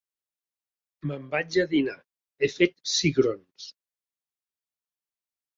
Me'n vaig a dinar; he fet cigrons.